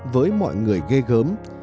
với mọi người ghê gớm